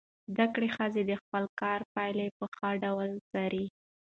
زده کړه ښځه د خپل کار پایلې په ښه ډول څاري.